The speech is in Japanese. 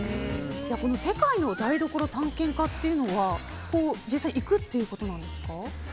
世界の台所探検家っていうのは実際に行くということなんですか。